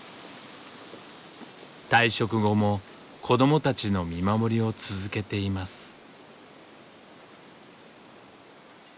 退職後も子どもたちの見守りを続けています。